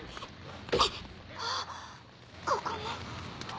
あぁここも。